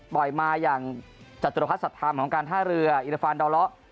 ปล่อยมาอย่างจัตรุภัษฐ์สัตว์ธรรมของการท่าเรืออิรฟานดาวร้อ